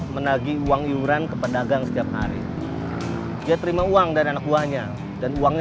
menagi uang iuran ke pedagang setiap hari dia terima uang dari anak buahnya dan uangnya